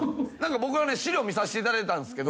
僕は資料を見させていただいたんですが。